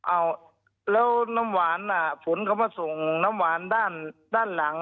อ้าวแล้วน้ำหวานฝนเขามาส่งน้ำหวานด้านหลัง